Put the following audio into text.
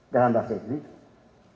dalam bahasa indonesia